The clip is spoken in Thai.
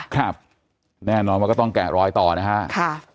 ครับแน่นอนว่าก็ต้องแกะรอยต่อนะฮะค่ะ